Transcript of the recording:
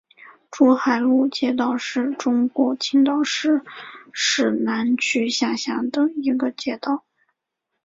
珠海路街道是中国青岛市市南区下辖的一个街道。